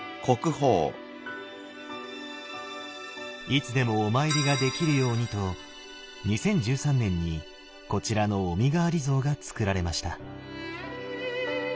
いつでもお参りができるようにと２０１３年にこちらの「御身代わり像」がつくられました。